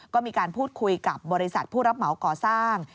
ก็มีการพูดคุยกับบริษัทผู้รับเหมาก่อสร้าง